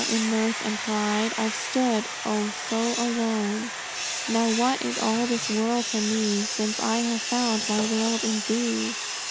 In mirth and pride I've stood oh so alone! Now, what is all this world to me, Since I have found my world in thee?